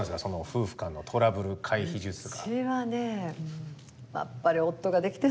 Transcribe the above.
夫婦間のトラブル回避術とか。